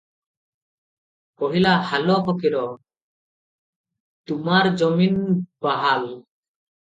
କହିଲା - ହାଲୋ ଫକୀର, ତୁମାରା ଜମିନ୍ ବାହାଲ ।"